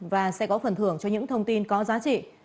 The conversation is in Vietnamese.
và sẽ có phần thưởng cho những thông tin có giá trị